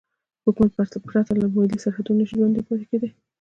حکومت پرته له ملي سرحدونو نشي ژوندی پاتې کېدای.